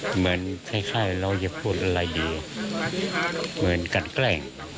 เหมือนคล้ายเราจะพูดอะไรดีเหมือนกันแกล้ง